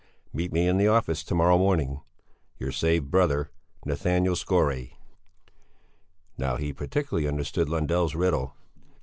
Meet me in my office to morrow morning. Your saved brother, NATHANAEL SKORE. Now he partially understood Lundell's riddle.